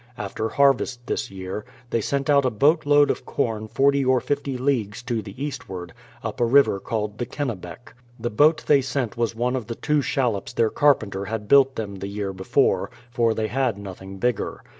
After harvest this year, they sent out a boat load of com 40 or 50 leagues to the eastward, up a river called the Kennebec. The boat 168 BRADFORD'S HISTORY they sent was one of the two shallops their carpenter had built them the year before; for they had nothing bigger.